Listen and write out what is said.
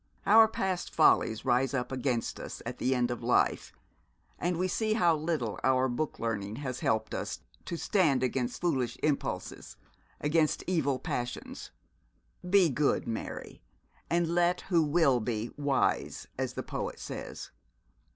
Our past follies rise up against us at the end of life; and we see how little our book learning has helped us to stand against foolish impulses, against evil passions. "Be good," Mary, "and let who will be wise," as the poet says.